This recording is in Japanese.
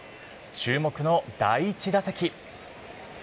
注目の第１打席。